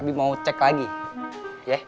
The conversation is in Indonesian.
lebih mau cek lagi ya